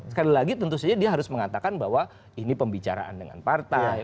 sekali lagi tentu saja dia harus mengatakan bahwa ini pembicaraan dengan partai